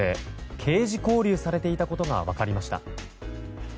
刑事拘留されていたことが分かりました。